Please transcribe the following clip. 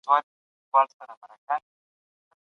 د نبي کریم عمل زموږ لپاره لارښود دی.